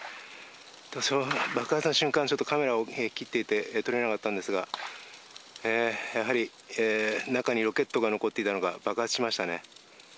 その爆発の瞬間、ちょっとカメラを切っていて撮れなかったんですが、やはり中にロケットが残っていたのか、爆発しましたね。